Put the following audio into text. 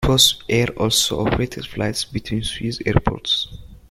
Crossair also operated flights between Swiss airports.